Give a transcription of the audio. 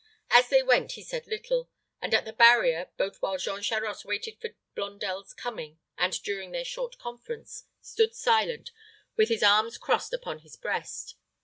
As they went he said little, and at the barrier, both while Jean Charost waited for Blondel's coming and during their short conference, stood silent, with his arms crossed upon his breast.